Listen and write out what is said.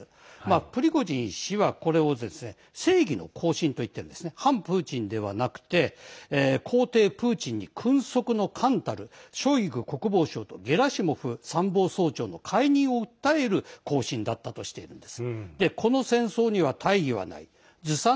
プリゴジン氏は、これを正義の行進といって反プーチンではなくて皇帝プーチンショイグ国防相とゲラシモフ参謀総長の解任を訴える行進だったとしているんです。